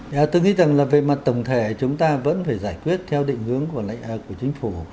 và tôi nghĩ rằng là về mặt tổng thể chúng ta vẫn phải giải quyết theo định hướng của chính phủ